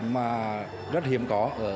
mà rất hiếm có